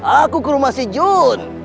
aku ke rumah si jun